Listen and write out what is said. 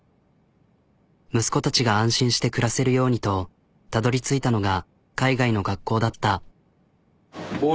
息子たちが安心して暮らせるようにとたどりついたのが海外の学校だった。